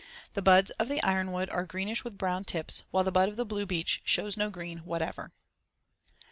The buds of the ironwood are greenish with brown tips, while the bud of the blue beech shows no green whatever.